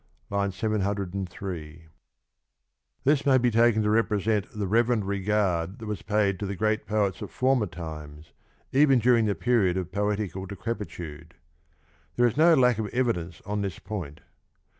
(HI. 703) 63 This may be taken to represent the reverent regard that was paid to the great poets of former times even during the period of poetical decrepitude. There is no lack of evidence on this point.